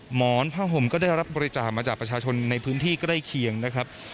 หมอนผ้าห่มก็ได้รับบริจาคมาจากประชาชนในพื้นที่ใกล้เคียงนะครับ